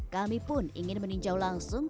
kami pun ingin meninjau langsung